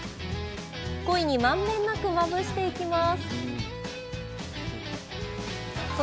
コイに満遍なくまぶしていきます